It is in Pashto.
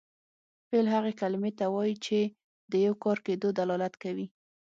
فعل هغې کلمې ته وایي چې د یو کار کیدو دلالت کوي.